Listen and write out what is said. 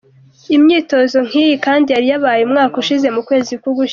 Imyitozo nkiyi kandi yari yabaye umwaka ushize mu kwezi kw’Ugushyingo.